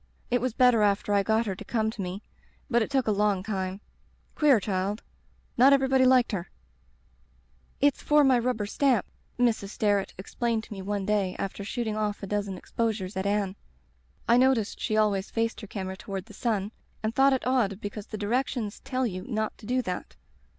It was better after I got her to come to me — ^but it took a long time. Queer child. Not everybody Hked her. *It's for my rubber stamp,' Mrs. Sterret explained to me one day after shooting off a dozen ex^ Digitized by LjOOQ IC The Rubber Stamp posures at Anne. I noticed she always faced her camera toward the sun, and thought it odd because the directions tell you not to do that.